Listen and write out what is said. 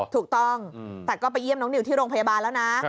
ถูกต้องแต่ก็ไปเยี่ยมน้องนิวที่โรงพยาบาลแล้วนะ